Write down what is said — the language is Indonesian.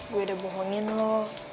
gue udah bohongin lo